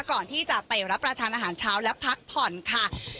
ก่อนที่จะไปรับประทานอาหารเช้าและพักผ่อนค่ะ